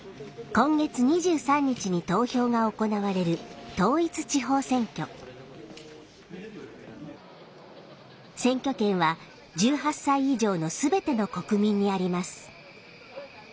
今月２３日に投票が行われる選挙権は１８歳以上の全ての国民にあります。